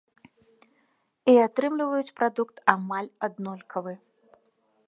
І атрымліваюць прадукт амаль аднолькавы.